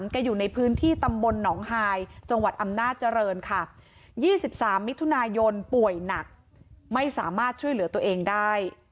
อยู่ในพื้นที่ตำบลหนองฮายจังหวัดอำนาจเจริญค่ะ๒๓มิถุนายนป่วยหนักไม่สามารถช่วยเหลือตัวเองได้